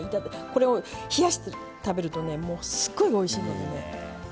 これを冷やして食べるとねもうすごいおいしいのでね是非。